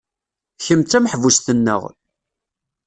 Kemm d tameḥbust-nneɣ.